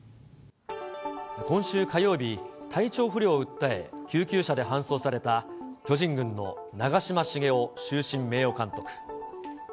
今週火曜日、体調不良を訴え、救急車で搬送された巨人軍の長嶋茂雄終身名誉監督。